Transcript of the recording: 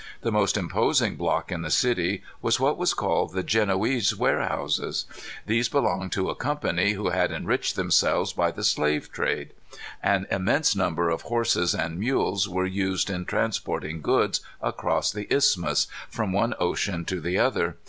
The most imposing block in the city was what was called the Genoese Warehouses. These belonged to a company who had enriched themselves by the slave trade. An immense number of horses and mules were used in transporting goods across the isthmus, from one ocean to the other.